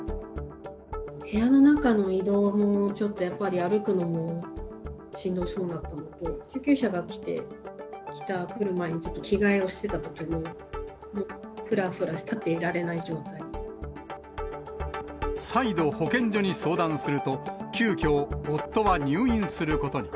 部屋の中の移動もちょっとやっぱり、歩くのもしんどそうだったので、救急車が来て、来る前にちょっと着替えをしたときも、もうふらふらして、立って再度、保健所に相談すると、急きょ、夫は入院することに。